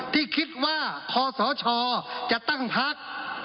ที่คิดว่าคศจะตั้งพัก